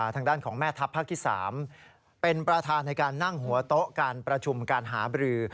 ทางด้านของแม่ทัพภาคที่๓เป็นประธานในการนั่งหัวโต๊ะการประชุมการหาบรือ